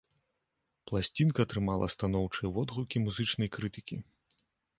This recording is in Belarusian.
Пласцінка атрымала станоўчыя водгукі музычнай крытыкі.